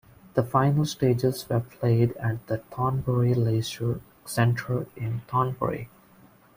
The final stages were played at the Thornbury Leisure Centre in Thornbury.